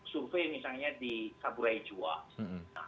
survei misalnya di saburai jua